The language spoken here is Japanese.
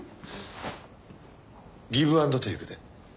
ギブ・アンド・テイクで。